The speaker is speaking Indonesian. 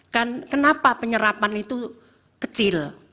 kan kenapa penyerapan itu kecil